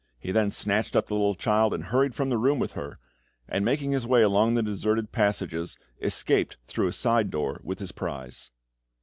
He then snatched up the little child, and hurried from the room with her, and making his way along the deserted passages, escaped through a side door with his prize.